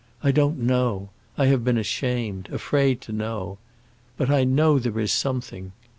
I don't know; I have been ashamed—afraid to know. But I know there is something.